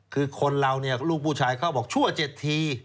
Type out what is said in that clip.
คนเราลูกผู้ชายเขาบอกชั่วเจ็ดที